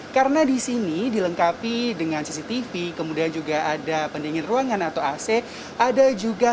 karena disini dilengkapi dengan cctv kemudian juga ada pendingin ruangan atau ac ada juga